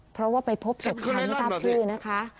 เพราะว่าไปพบเสร็จครั้งทราบชื่อนะคะ